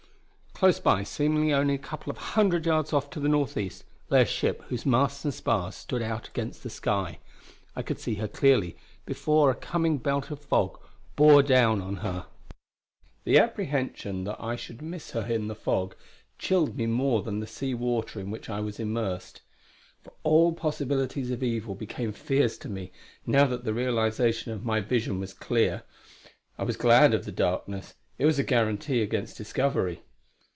Close by, seemingly only a couple of hundred yards off to the north east, lay a ship whose masts and spars stood out against the sky. I could see her clearly, before a coming belt of fog bore down on her. The apprehension lest I should miss her in the fog chilled me more than the sea water in which I was immersed; for all possibilities of evil became fears to me, now that the realisation of my vision was clear. I was glad of the darkness; it was a guarantee against discovery.